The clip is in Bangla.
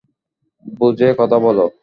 বুঝে কথা বলো।